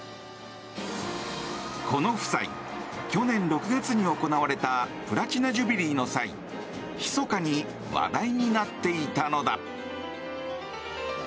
この夫妻、去年６月に行われたプラチナ・ジュビリーの際ひそかに話題になっていたのだ。